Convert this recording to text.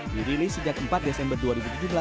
dirilis sejak empat desember dua ribu tujuh belas